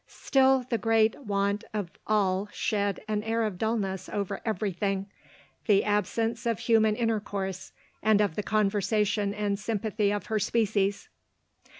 Still the great want of all shed an air of dulness over every thing — the absence of human intercourse, and of the conversation and sympathy of her species.